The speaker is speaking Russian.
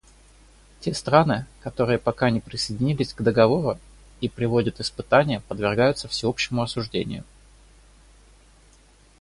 Те страны, которые пока не присоединились к Договору и проводят испытания, подвергаются всеобщему осуждению.